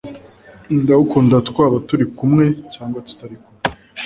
ndagukunda twaba turi kumwe cyangwa tutari kumwe.